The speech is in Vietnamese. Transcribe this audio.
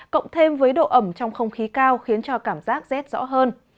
cộng thêm với độ ẩm trong không khí cao khiến cho cảm giác rét rõ hơn